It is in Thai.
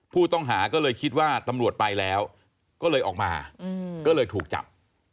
ผู้ต้องหาก็เลยคิดว่าตำรวจไปแล้วก็เลยออกมาก็เลยถูกจับ